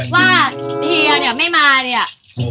เฮียเนี่ยไม่มาเนี่ย